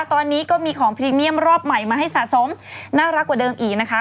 ตอนนี้ก็มีของพรีเมียมรอบใหม่มาให้สะสมน่ารักกว่าเดิมอีกนะคะ